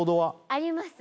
あります